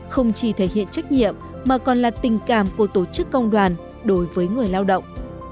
không chỉ thể hiện trách nhiệm mà còn là tình cảm của tổ chức công đoàn đối với người lao động